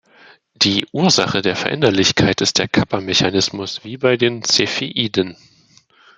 Die Ursache der Veränderlichkeit ist der Kappa-Mechanismus wie bei den Cepheiden.